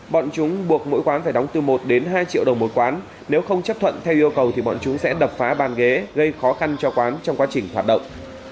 bọn chúng buộc mỗi quán phải đóng từ một đến hai triệu đồng một quán nếu không chấp thuận thay yêu cầu thì bọn chúng sẽ đập phá bàn ghế gây khó khăn cho quán trong quá trình hoạt động